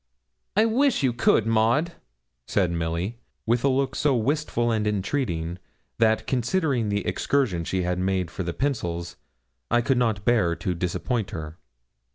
'I wish you could, Maud,' said Milly, with a look so wistful and entreating, that considering the excursion she had made for the pencils, I could not bear to disappoint her.